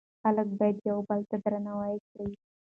خلک باید یو بل درناوی کړي.